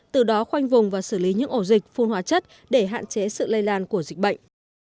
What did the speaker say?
từ đó khoanh vùng và xử lý những ổ dịch phun hóa chất để hạn chế sự lây lan của dịch bệnh